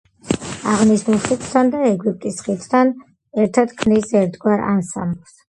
აღნიშნულ ხიდთან და ეგვიპტის ხიდთან ერთად ქმნის ერთგვარ ანსამბლს.